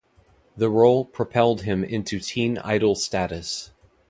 The role propelled him into teen idol status.